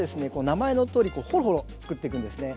名前のとおりホロホロ作っていくんですね。